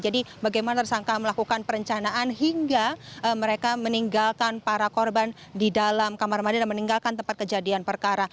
jadi bagaimana tersangka melakukan perencanaan hingga mereka meninggalkan para korban di dalam kamar mandi dan meninggalkan tempat kejadian perkara